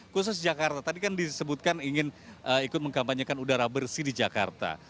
khusus jakarta tadi kan disebutkan ingin ikut mengkampanyekan udara bersih di jakarta